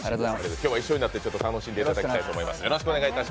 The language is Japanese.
今日は、一緒になって楽しんでいただきたいと思います。